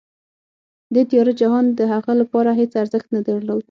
دې تیاره جهان د هغه لپاره هېڅ ارزښت نه درلود